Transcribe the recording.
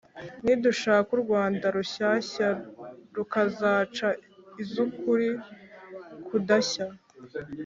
nidushake urwanda rushyashya rukazaca iz’ukuri kudashya